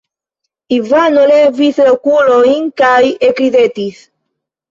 Ivano levis la okulojn kaj ekridetis.